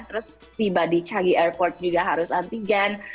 terus tiba di canggih airport juga harus antigen